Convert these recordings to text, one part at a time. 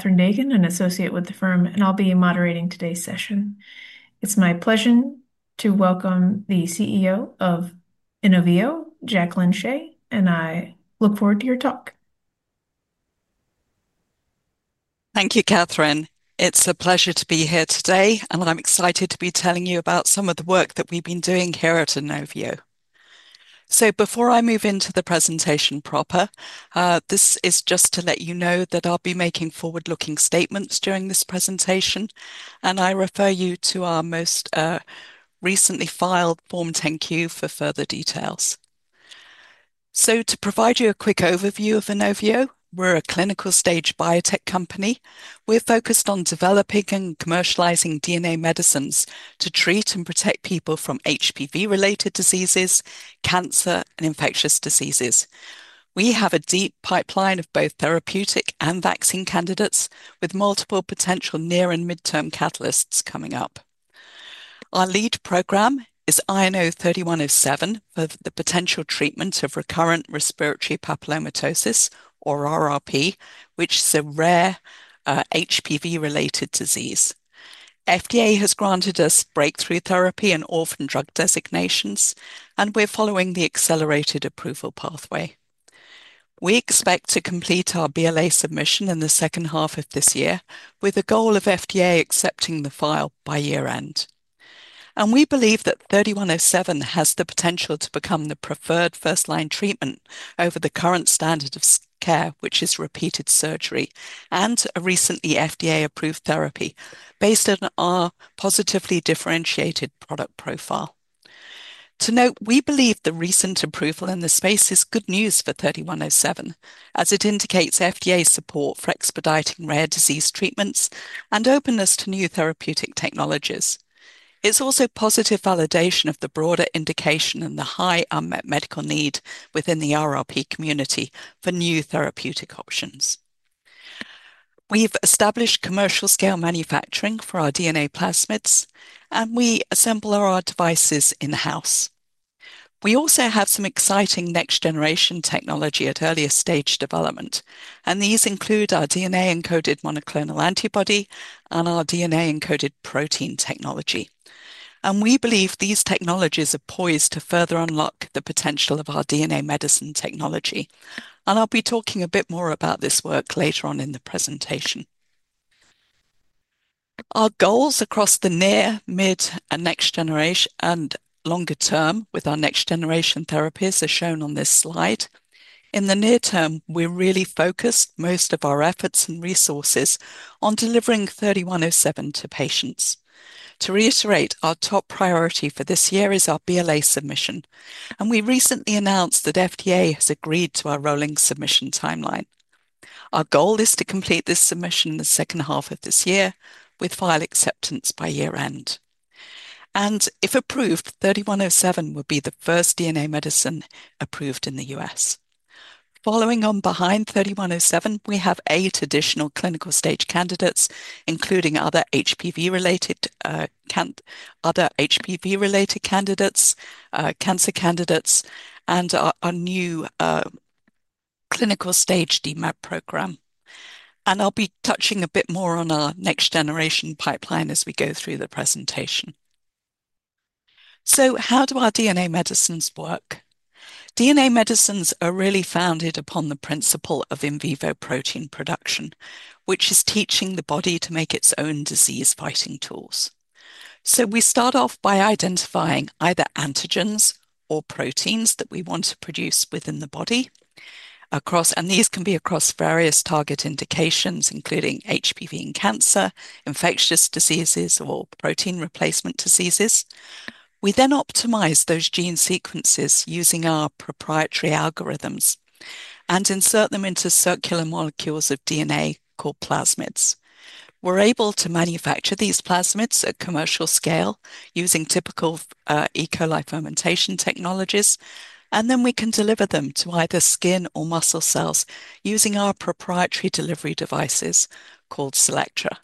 Katherine Degan, an Associate with the firm, and I'll be moderating today's session. It's my pleasure to welcome the CEO of INOVIO, Dr. Jacqueline Shea, and I look forward to your talk. Thank you, Katherine. It's a pleasure to be here today, and I'm excited to be telling you about some of the work that we've been doing here at INOVIO . Before I move into the presentation proper, this is just to let you know that I'll be making forward-looking statements during this presentation, and I refer you to our most recently filed Form 10-Q for further details. To provide you a quick overview of I NOVIO, we're a clinical-stage biotech company. We're focused on developing and commercializing DNA medicines to treat and protect people from HPV-related diseases, cancer, and infectious diseases. We have a deep pipeline of both therapeutic and vaccine candidates with multiple potential near and mid-term catalysts coming up. Our lead program is INO-3107 for the potential treatment of recurrent respiratory papillomatosis, or RRP, which is a rare HPV-related disease. FDA has granted us breakthrough therapy and orphan drug designations, and we're following the accelerated approval pathway. We expect to complete our BLA submission in the second half of this year with a goal of the FDA accepting the file by year-end. We believe that INO-3107 has the potential to become the preferred first-line treatment over the current standard-of-care, which is repeated surgery and a recently FDA -approved therapy based on our positively differentiated product profile. To note, we believe the recent approval in the space is good news for INO-3107 as it indicates FDA support for expediting rare disease treatments and openness to new therapeutic technologies. It's also positive validation of the broader indication and the high unmet medical need within the RRP community for new therapeutic options. We've established commercial-scale manufacturing for our DNA plasmids, and we assemble our devices in-house. We also have some exciting next-generation technology at earlier stage development, and these include our DNA-encoded monoclonal antibody and our DNA-encoded protein technology. We believe these technologies are poised to further unlock the potential of our DNA medicine technology. I'll be talking a bit more about this work later on in the presentation. Our goals across the near, mid, and next generation and longer term with our next-generation therapies are shown on this slide. In the near term, we're really focused most of our efforts and resources on delivering INO-3107 to patients. To reiterate, our top priority for this year is our BLA submission, and we recently announced that the FDA has agreed to our rolling submission timeline. Our goal is to complete this submission in the second half of this year with file acceptance by year-end. If approved, INO-3107 will be the first DNA medicine approved in the U.S. Following on behind INO-3107, we have eight additional clinical-stage candidates, including other HPV-related candidates, cancer candidates, and our new clinical-stage DMAP program. I'll be touching a bit more on our next-generation pipeline as we go through the presentation. How do our DNA medicines work? DNA medicines are really founded upon the principle of in vivo protein production, which is teaching the body to make its own disease-fighting tools. We start off by identifying either antigens or proteins that we want to produce within the body. These can be across various target indications, including HPV and cancer, infectious diseases, or protein replacement diseases. We then optimize those gene sequences using our proprietary algorithms and insert them into circular molecules of DNA called plasmids. We're able to manufacture these plasmids at commercial scale using typical E. coli fermentation technologies, and then we can deliver them to either skin or muscle cells using our proprietary delivery devices called CELLECTRA.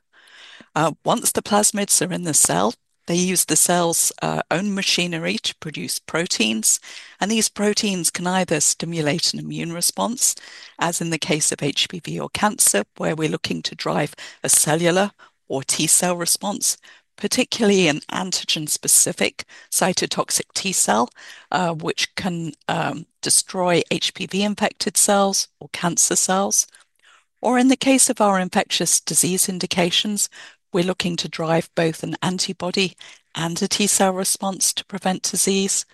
Once the plasmids are in the cell, they use the cell's own machinery to produce proteins, and these proteins can either stimulate an immune response, as in the case of HPV or cancer, where we're looking to drive a cellular or T cell response, particularly an antigen-specific cytotoxic T cell, which can destroy HPV-infected cells or cancer cells. In the case of our infectious disease indications, we're looking to drive both an antibody and a T cell response to prevent disease.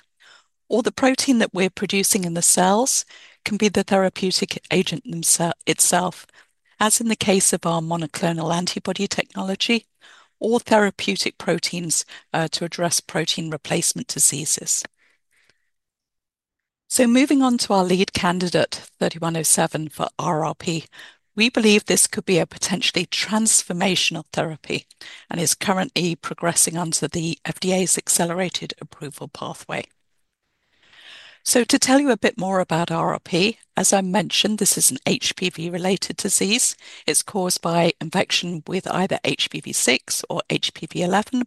The protein that we're producing in the cells can be the therapeutic agent itself, as in the case of our monoclonal antibody technology or therapeutic proteins to address protein replacement diseases. Moving on to our lead candidate, INO-3107 for RRP, we believe this could be a potentially transformational therapy and is currently progressing onto the FDA's accelerated approval pathway. To tell you a bit more about RRP, as I mentioned, this is an HPV-related disease. It's caused by infection with either HPV-6 or HPV-11.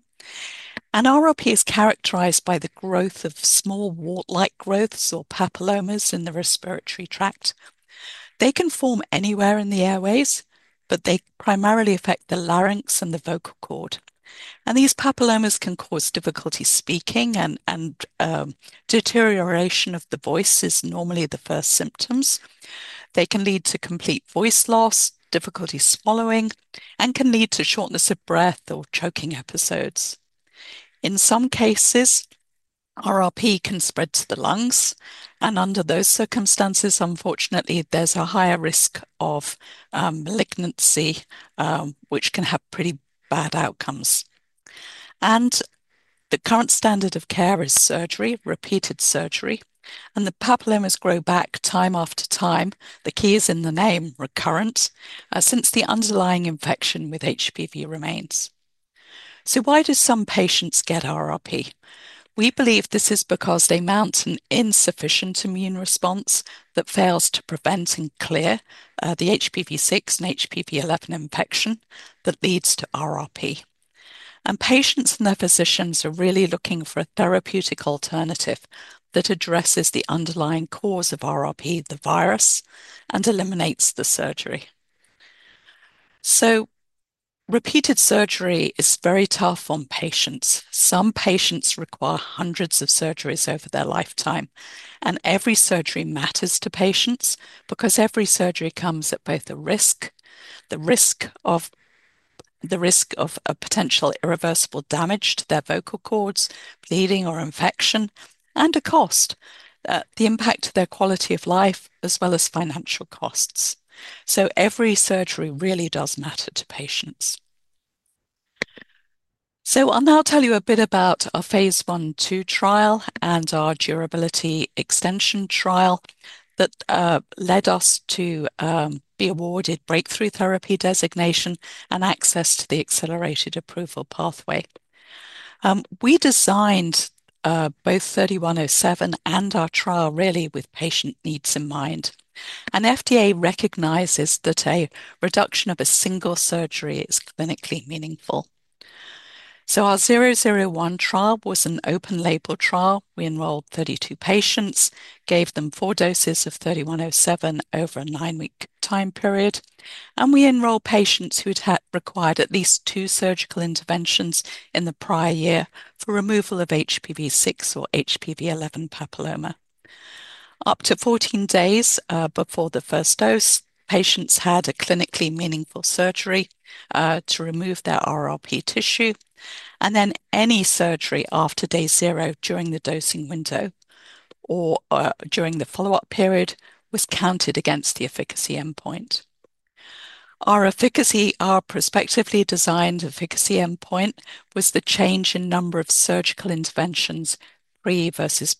RRP is characterized by the growth of small wart-like growths or papillomas in the respiratory tract. They can form anywhere in the airways, but they primarily affect the larynx and the vocal cord. These papillomas can cause difficulty speaking, and deterioration of the voice is normally the first symptoms. They can lead to complete voice loss, difficulty swallowing, and can lead to shortness of breath or choking episodes. In some cases, RRP can spread to the lungs, and under those circumstances, unfortunately, there's a higher risk of malignancy, which can have pretty bad outcomes. The current standard of care is surgery, repeated surgery, and the papillomas grow back time after time. The key is in the name, recurrent, since the underlying infection with HPV remains. Why do some patients get RRP? We believe this is because they mount an insufficient immune response that fails to prevent and clear the HPV-6 and HPV-11 infection that leads to RRP. Patients and their physicians are really looking for a therapeutic alternative that addresses the underlying cause of RRP, the virus, and eliminates the surgery. Repeated surgery is very tough on patients. Some patients require hundreds of surgeries over their lifetime, and every surgery matters to patients because every surgery comes at both a risk, the risk of a potential irreversible damage to their vocal cords, bleeding or infection, and a cost, the impact to their quality of life, as well as financial costs. Every surgery really does matter to patients. I'll now tell you a bit about our phase I/II trial and our durability extension trial that led us to be awarded breakthrough therapy designation and access to the accelerated approval pathway. We designed both INO-3107 and our trial really with patient needs in mind. FDA recognizes that a reduction of a single surgery is clinically meaningful. Our 001 trial was an open-label trial. We enrolled 32 patients, gave them four doses of INO-3107 over a nine-week time period, and we enrolled patients who had required at least two surgical interventions in the prior year for removal of HPV-6 or HPV-11 papilloma. Up to 14 days before the first dose, patients had a clinically meaningful surgery to remove their RRP tissue, and then any surgery after day zero during the dosing window or during the follow-up period was counted against the efficacy endpoint. Our prospectively designed efficacy endpoint was the change in number of surgical interventions, pre versus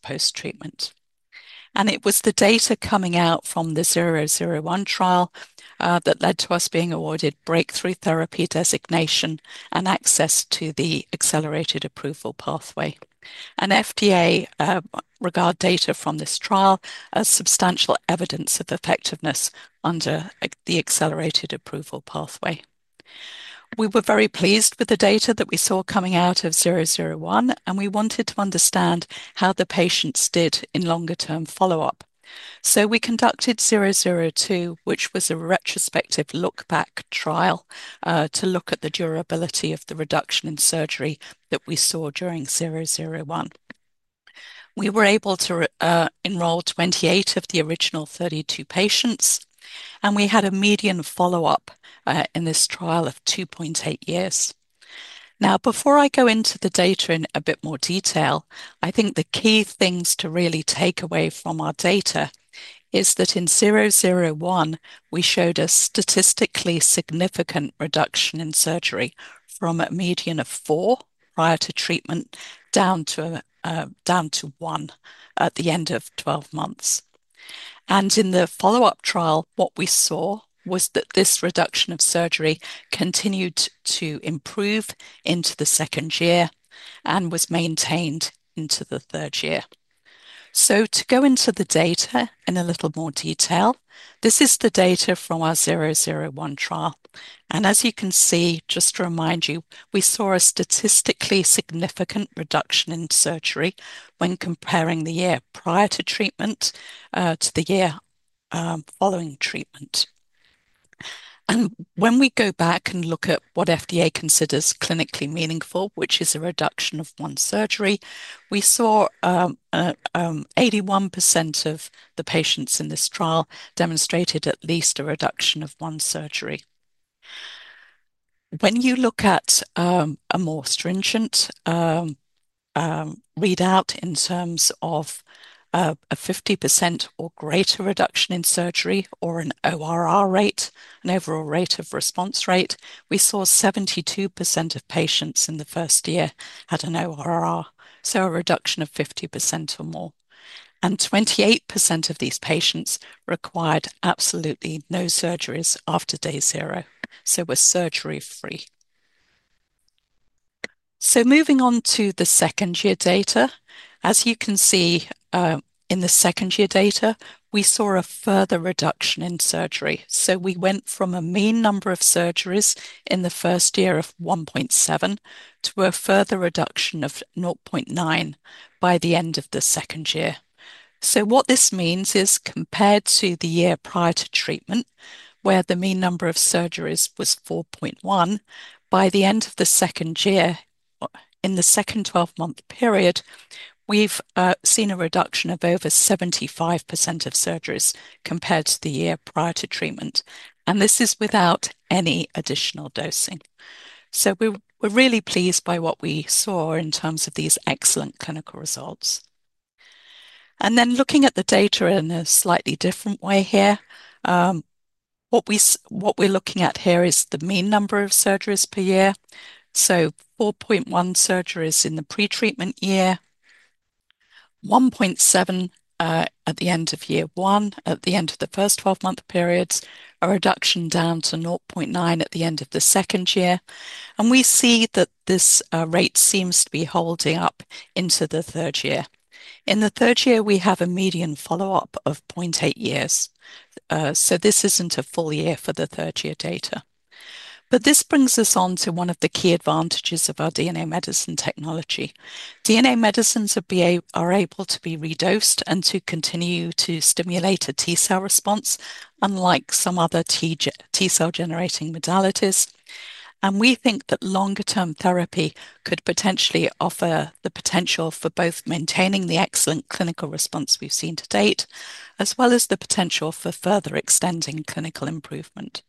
post-treatment. It was the data coming out from the 001 trial that led to us being awarded breakthrough therapy designation and access to the accelerated approval pathway. The FDA regard data from this trial as substantial evidence of effectiveness under the accelerated approval pathway. We were very pleased with the data that we saw coming out of 001, and we wanted to understand how the patients did in longer-term follow-up. We conducted 002, which was a retrospective look-back trial to look at the durability of the reduction in surgery that we saw during 001. We were able to enroll 28 of the original 32 patients, and we had a median follow-up in this trial of 2.8 years. Now, before I go into the data in a bit more detail, I think the key things to really take away from our data is that in 001, we showed a statistically significant reduction in surgery from a median of four prior to treatment down to one at the end of 12 months. In the follow-up trial, what we saw was that this reduction of surgery continued to improve into the second year and was maintained into the third year. To go into the data in a little more detail, this is the data from our 001 trial. As you can see, just to remind you, we saw a statistically significant reduction in surgery when comparing the year prior to treatment to the year following treatment. When we go back and look at what the FDA considers clinically meaningful, which is a reduction of one surgery, we saw 81% of the patients in this trial demonstrated at least a reduction of one surgery. When you look at a more stringent readout in terms of a 50% or greater reduction in surgery or an ORR rate, an overall response rate, we saw 72% of patients in the first year had an ORR, so a reduction of 50% or more. 28% of these patients required absolutely no surgeries after day zero, so were surgery-free. Moving on to the second-year data, as you can see, in the second-year data, we saw a further reduction in surgery. We went from a mean number of surgeries in the first year of 1.7 to a further reduction of 0.9 by the end of the second year. What this means is compared to the year prior to treatment, where the mean number of surgeries was 4.1, by the end of the second year, in the second 12-month period, we've seen a reduction of over 75% of surgeries compared to the year prior to treatment. This is without any additional dosing. We're really pleased by what we saw in terms of these excellent clinical results. Looking at the data in a slightly different way here, what we're looking at here is the mean number of surgeries per year. So 4.1 surgeries in the pre-treatment year, 1.7 at the end of year one at the end of the first 12-month period, a reduction down to 0.9 at the end of the second year. We see that this rate seems to be holding up into the third year. In the third year, we have a median follow-up of 0.8 years. This isn't a full year for the third-year data. This brings us on to one of the key advantages of our DNA medicine technology. DNA medicines are able to be re-dosed and to continue to stimulate a T cell response, unlike some other T cell-generating modalities. We think that longer-term therapy could potentially offer the potential for both maintaining the excellent clinical response we've seen to date, as well as the potential for further extending clinical improvement.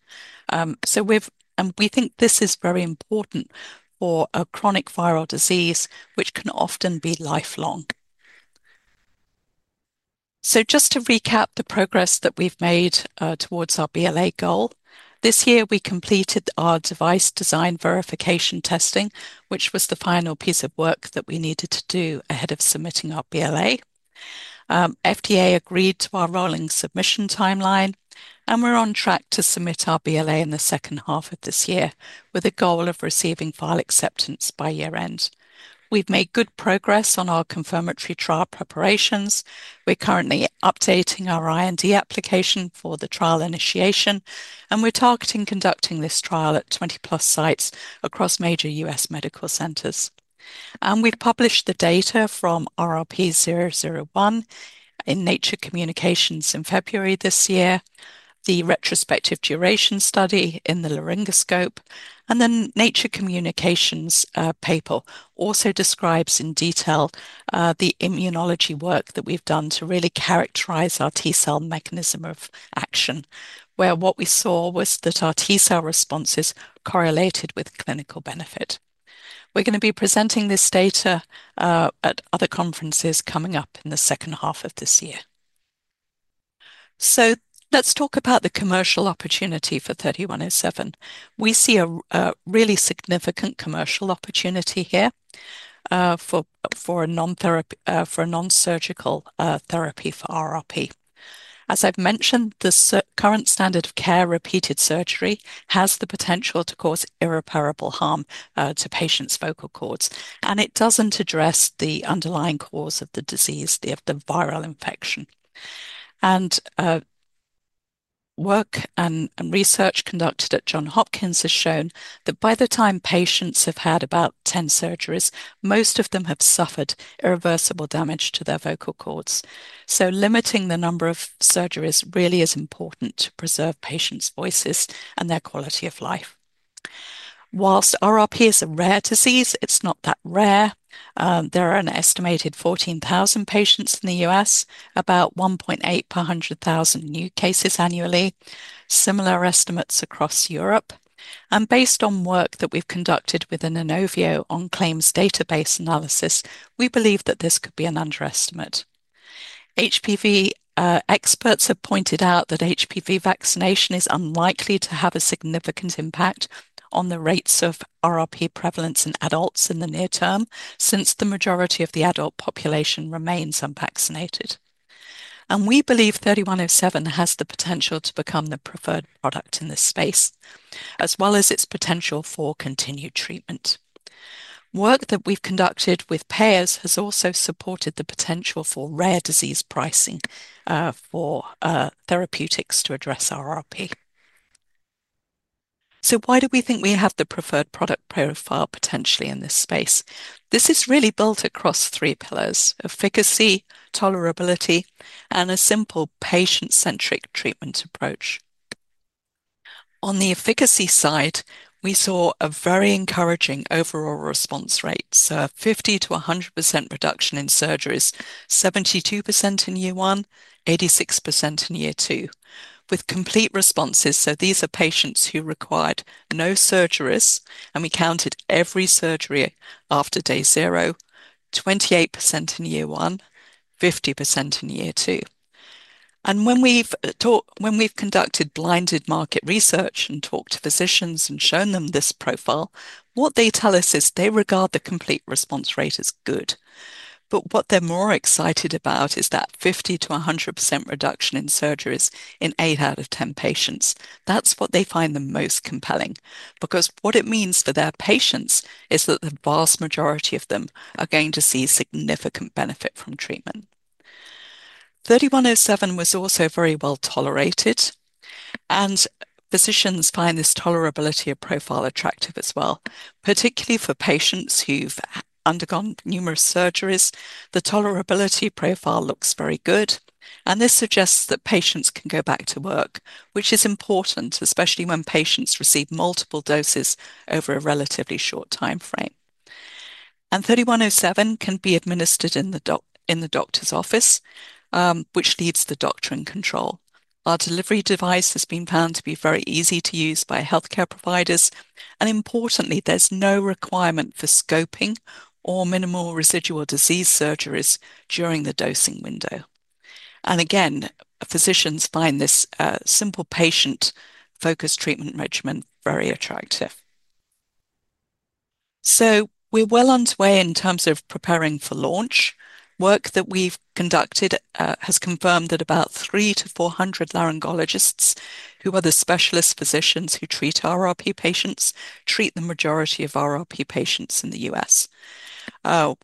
We think this is very important for a chronic viral disease, which can often be lifelong. Just to recap the progress that we've made towards our BLA goal, this year we completed our device design verification testing, which was the final piece of work that we needed to do ahead of submitting our BLA. FDA agreed to our rolling submission timeline, and we're on track to submit our BLA in the second half of this year with a goal of receiving file acceptance by year-end. We've made good progress on our confirmatory trial preparations. We're currently updating our R&D application for the trial initiation, and we're targeting conducting this trial at 20+ sites across major U.S. medical centers. We've published the data from RRP-001 in Nature Communications in February this year, the retrospective duration study in The Laryngoscope, and then the Nature Communications paper also describes in detail the immunology work that we've done to really characterize our T cell mechanism of action, where what we saw was that our T cell responses correlated with clinical benefit. We're going to be presenting this data at other conferences coming up in the second half of this year. Let's talk about the commercial opportunity for INO-3107. We see a really significant commercial opportunity here for a non-surgical therapy for recurrent respiratory papillomatosis (RRP). As I've mentioned, the current standard of care, repeated surgery, has the potential to cause irreparable harm to patients' vocal cords, and it doesn't address the underlying cause of the disease, the viral infection. Work and research conducted at Johns Hopkins has shown that by the time patients have had about 10 surgeries, most of them have suffered irreversible damage to their vocal cords. Limiting the number of surgeries really is important to preserve patients' voices and their quality of life. Whilst RRP is a rare disease, it's not that rare. There are an estimated 14,000 patients in the U.S., about 1.8 per 100,000 new cases annually, with similar estimates across Europe. Based on work that we've conducted within INOVIO on claims database analysis, we believe that this could be an underestimate. HPV experts have pointed out that HPV vaccination is unlikely to have a significant impact on the rates of RRP prevalence in adults in the near term, since the majority of the adult population remains unvaccinated. We believe INO-3107 has the potential to become the preferred product in this space, as well as its potential for continued treatment. Work that we've conducted with payers has also supported the potential for rare disease pricing for therapeutics to address RRP. Why do we think we have the preferred product profile potentially in this space? This is really built across three pillars: efficacy, tolerability, and a simple patient-centric treatment approach. On the efficacy side, we saw a very encouraging overall response rate, so a 50%- 100% reduction in surgeries, 72% in year one, 86% in year two, with complete responses. These are patients who required no surgeries, and we counted every surgery after day zero, 28% in year one, 50% in year two. When we've conducted blinded market research and talked to physicians and shown them this profile, what they tell us is they regard the complete response rate as good. What they're more excited about is that 50%- 100% reduction in surgeries in 8 out of 10 patients. That's what they find the most compelling because what it means for their patients is that the vast majority of them are going to see significant benefit from treatment. INO-3107 was also very well tolerated, and physicians find this tolerability profile attractive as well, particularly for patients who've undergone numerous surgeries. The tolerability profile looks very good, which suggests that patients can go back to work, which is important, especially when patients receive multiple doses over a relatively short timeframe. INO-3107 can be administered in the doctor's office, which leaves the doctor in control. Our delivery device has been found to be very easy to use by healthcare providers, and importantly, there's no requirement for scoping or minimal residual disease surgeries during the dosing window. Physicians find this simple patient-focused treatment regimen very attractive. We are well on our way in terms of preparing for launch. Work that we've conducted has confirmed that about 300 to 400 laryngologists, who are the specialist physicians who treat recurrent respiratory papillomatosis (RRP) patients, treat the majority of RRP patients in the U.S. We are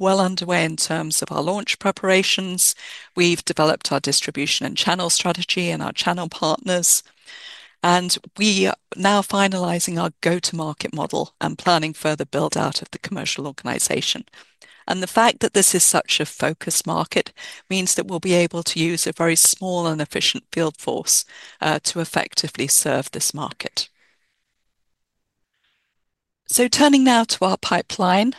well underway in terms of our launch preparations. We've developed our distribution and channel strategy and our channel partners, and we are now finalizing our go-to-market model and planning further build-out of the commercial organization. The fact that this is such a focused market means that we'll be able to use a very small and efficient field force to effectively serve this market. Turning now to our pipeline,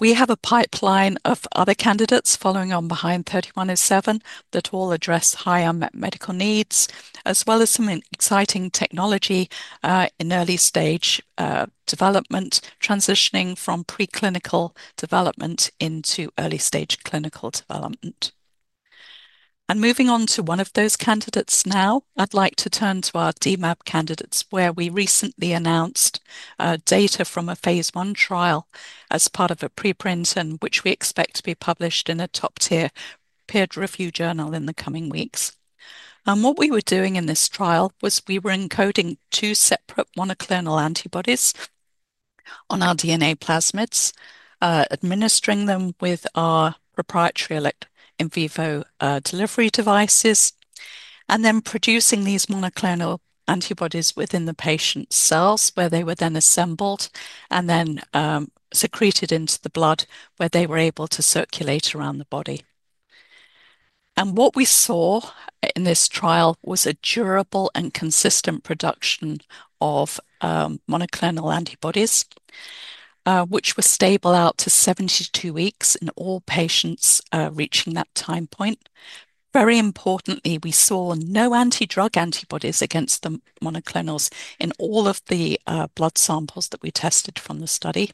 we have a pipeline of other candidates following on behind INO-3107 that all address high unmet medical needs, as well as some exciting technology in early-stage development, transitioning from preclinical development into early-stage clinical development. Moving on to one of those candidates now, I'd like to turn to our DMAP candidates, where we recently announced data from a phase I trial as part of a preprint, which we expect to be published in a top-tier peer-reviewed journal in the coming weeks. What we were doing in this trial was encoding two separate monoclonal antibodies on our DNA plasmids, administering them with our proprietary in vivo delivery devices, and then producing these monoclonal antibodies within the patient's cells where they were then assembled and secreted into the blood where they were able to circulate around the body. What we saw in this trial was a durable and consistent production of monoclonal antibodies, which were stable out to 72 weeks in all patients reaching that time point. Very importantly, we saw no anti-drug antibodies against the monoclonal antibodies in all of the blood samples that we tested from the study.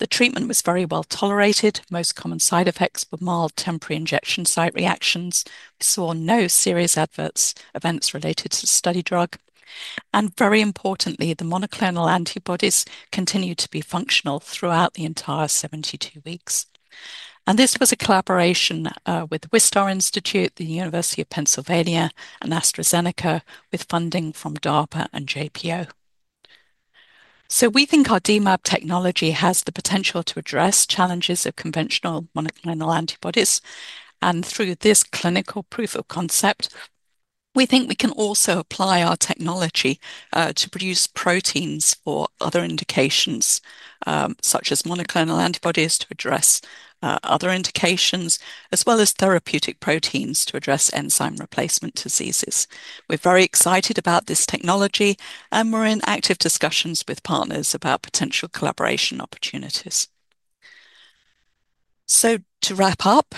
The treatment was very well tolerated. The most common side effects were mild, temporary injection site reactions. We saw no serious adverse events related to the study drug. Very importantly, the monoclonal antibodies continued to be functional throughout the entire 72 weeks. This was a collaboration with the Wistar Institute, the University of Pennsylvania, and AstraZeneca, with funding from DARPA and JPO. We think our DMAP technology has the potential to address challenges of conventional monoclonal antibodies. Through this clinical proof of concept, we think we can also apply our technology to produce proteins for other indications, such as monoclonal antibodies to address other indications, as well as therapeutic proteins to address enzyme replacement diseases. We're very excited about this technology, and we're in active discussions with partners about potential collaboration opportunities. To wrap up,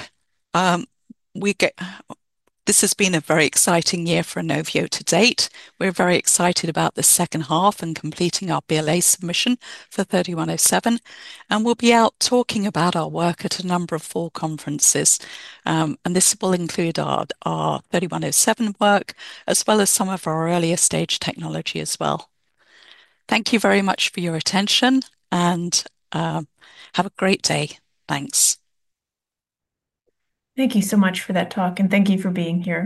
this has been a very exciting year for INOVIO to date. We're very excited about the second half and completing our BLA submission for INO-3107. We'll be out talking about our work at a number of full conferences. This will include our INO-3107 work, as well as some of our earlier stage technology as well. Thank you very much for your attention, and have a great day. Thanks. Thank you so much for that talk, and thank you for being here.